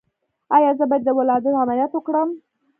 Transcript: ایا زه باید د ولادت عملیات وکړم؟